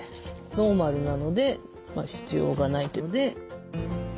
ノーマルなので必要がないというので。